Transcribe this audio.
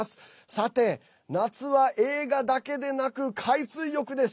さて、夏は映画だけでなく海水浴です。